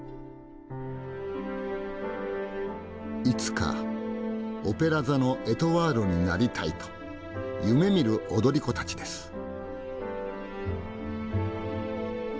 いつかオペラ座のエトワールになりたいと夢みる踊り子たちです。